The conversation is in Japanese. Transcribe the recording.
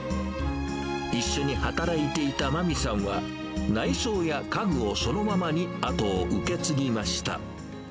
一緒に働いていた真美さんは、内装や家具をそのままに、後を受け継ぎました。